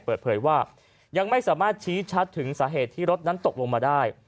เปิดเผยว่ายังไม่สามารถชี้ชัดถึงสาเหตุที่รถนั้นตกลงมาได้